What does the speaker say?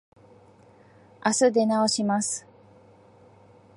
あす出直します。